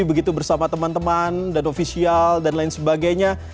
begitu bersama teman teman dan ofisial dan lain sebagainya